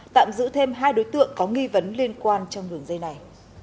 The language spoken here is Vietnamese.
tạm giữ thêm hai đối tượng có nghi vấn liên quan trong đường dây này